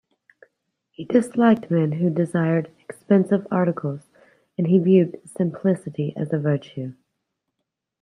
He disliked men who desired expensive articles, and he viewed simplicity as a virtue.